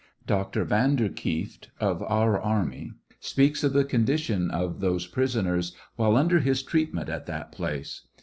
Dr. Vanderkieft, of our army, speaks of the condition of those prisoners while under his treatment at that place.